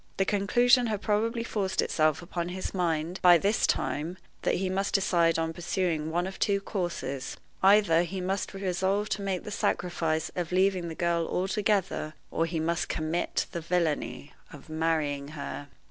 The conclusion had probably forced itself upon his mind, by this time, that he must decide on pursuing one of two courses: either he must resolve to make the sacrifice of leaving the girl altogether, or he must commit the villainy of marrying her.